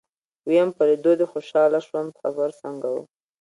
ويم په ليدو دې خوشاله شوم سفر څنګه و.